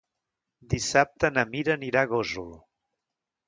Dissabte na Mira anirà a Gósol.